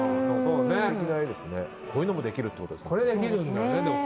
こういうのもできるってことですね。